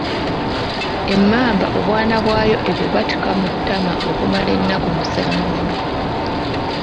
Emmamba obwana bwayo ebubatika mu ttama okumala ennaku musanvu.